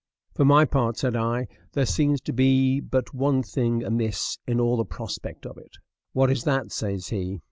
For my part," said I, "there seems to be but one thing amiss in all the prospect of it." "What is that?" says he.